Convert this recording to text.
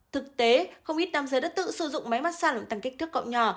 thực tế không ít nam giới đã tự sử dụng máy mát xa làm tăng kích thước cậu nhỏ